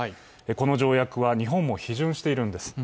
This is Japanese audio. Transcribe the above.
この条約は日本も批准しているんです。